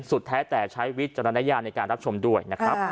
แท้แต่ใช้วิจารณญาณในการรับชมด้วยนะครับ